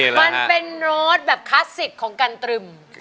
มันเป็นโรสแบบคลาสสิกของกันตรึม